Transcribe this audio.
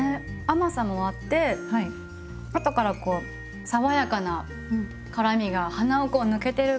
甘さもあって後から爽やかな辛みが鼻をこう抜けてる感じが。